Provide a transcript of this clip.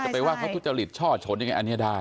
จะไปว่าเขาจะหลีดชอชนยังไงอันนี้ได้